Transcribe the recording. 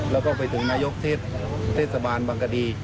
แล้วก็ไปถึงนายกเทศเทศบาลบังกดี